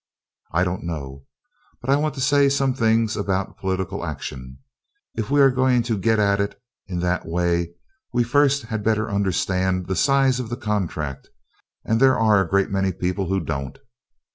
I don't know. But I want to say some things about political action. If we are going to get at it in that way we first had better understand the size of the contract, and there are a great many people who don't.